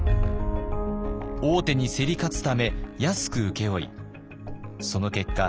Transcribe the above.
大手に競り勝つため安く請け負いその結果